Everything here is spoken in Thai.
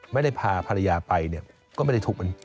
ไม่ได้พาภรรยาไปก็ไม่ได้ถูกบันทึก